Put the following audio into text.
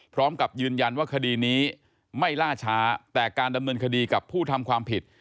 พร้อมกับยืนยันว่าคดีนี้ไม่ล่าช้าแต่การดำเนินคดีกับผู้ทำความผิด